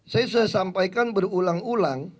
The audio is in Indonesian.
saya sudah sampaikan berulang ulang